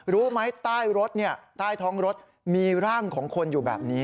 รู้ไหมใต้รถใต้ท้องรถมีร่างของคนอยู่แบบนี้